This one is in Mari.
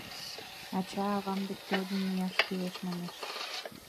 Ача-авам деке йодын мияш кӱлеш, манеш.